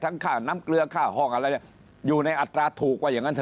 ค่าน้ำเกลือค่าห้องอะไรอยู่ในอัตราถูกว่าอย่างนั้นเถ